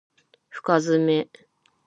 深爪